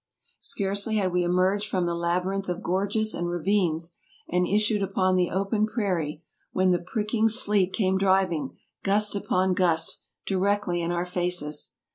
Scarcely had we emerged from the labyrinth of gorges and ravines, and issued upon AMERICA 73 the open prairie, when the pricking sleet came driving, gust upon gust, directly in our faces.